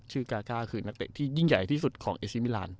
กาก้าคือนักเตะที่ยิ่งใหญ่ที่สุดของเอซิมิลาน